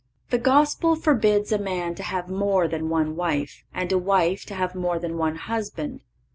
(537) The Gospel forbids a man to have more than one wife, and a wife to have more than one husband.